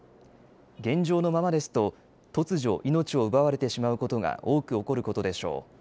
現状のままですと突如命を奪われてしまうことが多く起こることでしょう。